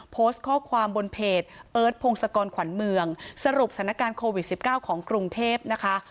โพสต์ข้อความบนเพจเอิร์ทพงศกรขวัญเมืองสรุปสถานการณ์โควิด๑๙ของกรุงเทพนะคะ